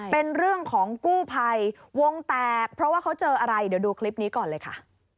เป็นเรื่องของกู้ภัยวงแตกเพราะว่าเขาเจออะไรเดี๋ยวดูคลิปนี้ก่อนเลยค่ะ